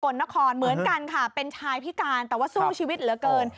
ลนครเหมือนกันค่ะเป็นชายพิการแต่ว่าสู้ชีวิตเหลือเกิน